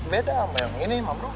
beda sama yang gini ma bro